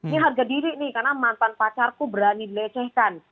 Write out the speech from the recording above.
ini harga diri nih karena mantan pacarku berani dilecehkan